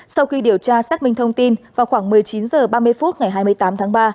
sau khi điều tra xác minh thông tin vào khoảng một mươi chín h ba mươi phút ngày hai mươi tám tháng ba